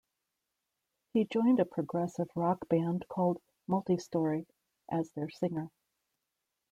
He joined a progressive rock band called "Multi-Story" as their singer.